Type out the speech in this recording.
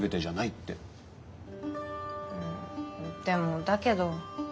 でもだけど。